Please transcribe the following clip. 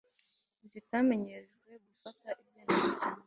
zitamenyerejwe gufata ibyemezo cyane